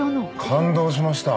感動しました。